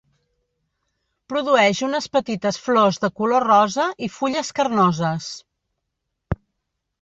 Produeix unes petites flors de color rosa i fulles carnoses.